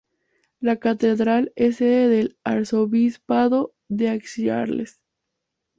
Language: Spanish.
La catedral es sede del arzobispado de Aix-Arles.